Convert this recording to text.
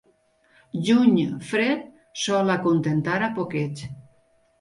Juny fred, sol acontentar a poquets.